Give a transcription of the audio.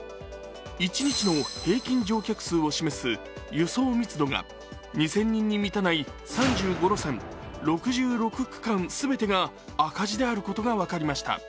一日の平均乗客数を示す輸送密度が２０００人に満たない３５路線６６区間全てが赤字であることが分かりました。